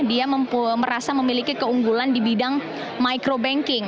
dia merasa memiliki keunggulan di bidang micro banking